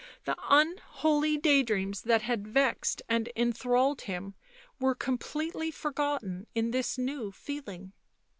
The unholy day dreams that had vexed and enthralled him were com pletely forgotten in this new feeling.